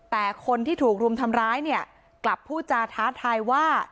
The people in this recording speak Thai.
แต่คนที่ถูกรุมทำร้ายเนี่ยกลับพูดจาท้าทายว่า